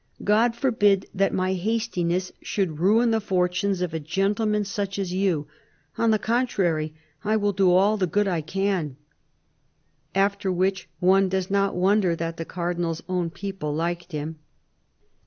God forbid that my hastiness should ruin the for tunes of a gentleman such as you ; on the contrary, I will do you all the good I can.' " After which one does not wonder that the Cardinal's own people liked him.